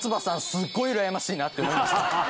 すごいうらやましいなって思いました。